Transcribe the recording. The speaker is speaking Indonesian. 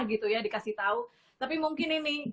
gitu ya dikasih tahu tapi mungkin ini